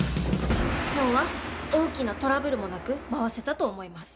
今日は大きなトラブルもなく回せたと思います。